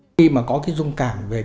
khi mà có cái dung cảm về